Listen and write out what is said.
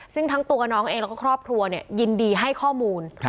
ซึ่งทั้งตัวน้องเองแล้วก็ครอบครัวยินดีให้ข้อมูล